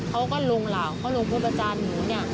เขาก็ลงหล่าวเขาลงพูดประจานหนู